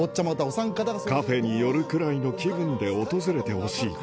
カフェに寄るくらいの気分で訪れてほしい